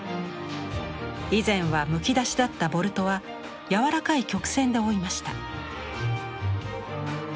以前はむき出しだったボルトは柔らかい曲線で覆いました。